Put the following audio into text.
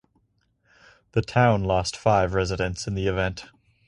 The town lost five residents in the event.